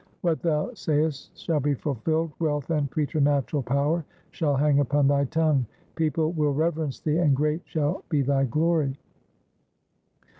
What thou sayest shall be fulfilled, wealth and preternatural power shall hang upon thy tongue People will reverence thee, and great shall be thy glory.'